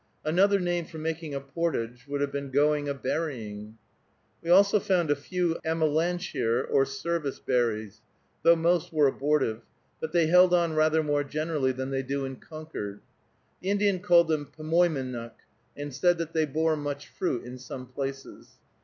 Another name for making a portage would have been going a berrying. We also found a few amelanchier, or service, berries, though most were abortive, but they held on rather more generally than they do in Concord. The Indian called them pemoymenuk, and said that they bore much fruit in some places.